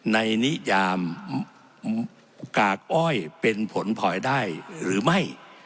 นิยามกากอ้อยเป็นผลผอยได้หรือไม่